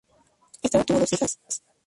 Estaba casado y tuvo dos hijas.